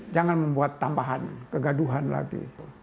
jangan membuat tambahan kegaduhan lagi